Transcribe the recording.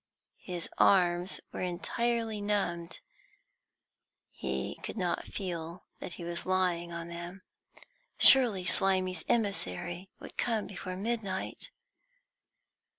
His arms were entirely numbed; he could not feel that he was lying on them. Surely Slimy's emissary would come before midnight.